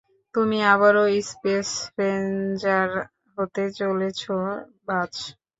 তুমি আবারও space ranger হতে চলেছো, বায।